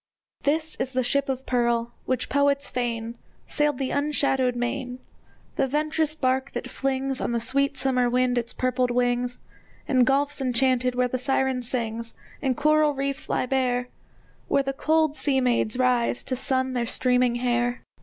This is the ship of pearl, which, poets feign, Sailed the unshadowed main, The venturous bark that flings On the sweet summer wind its purpled wings In gulfs enchanted, where the Siren sings, And coral reefs lie bare, Where the cold sea maids rise to sun their streaming hair.